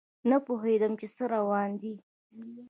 نه پوهیدم چې څه روان دي